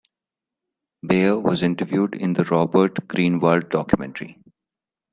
Baer was interviewed in the Robert Greenwald documentary "".